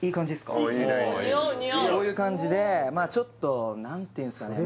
こういう感じでちょっと何て言うんですかね